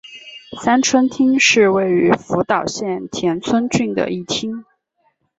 三春町是位于福岛县田村郡的一町。